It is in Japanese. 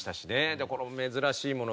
でこの珍しいもの